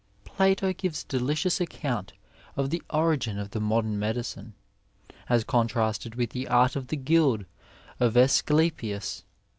Plato gives a delicious account of the origin of the modem medicine, as contrasted with the art of the guild of Asclepius.